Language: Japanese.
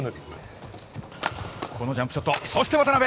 このジャンプショット、そして渡辺。